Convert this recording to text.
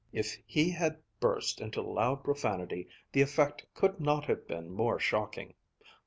If he had burst into loud profanity, the effect could not have been more shocking.